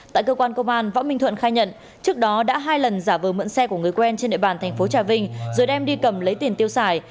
tại cơ quan công an võ minh thuận khai nhận trước đó đã hai lần giả vờ mượn xe của người quen trên địa bàn thành phố trà vinh rồi đem đi cầm lấy tiền tiêu xài